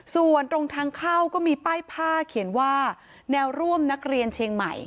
ส่วนตรงทางเข้าก็มีป้ายผ้าเขียนว่าแนวร่วมนักเรียนเชียงใหม่